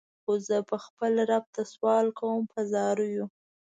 خو زه به خپل رب ته سوال کوم په زاریو.